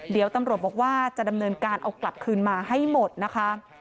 เดี๋ยวตำรวจบอกว่าจะดำเนินการเอากลับคืนมาให้หมดนะคะ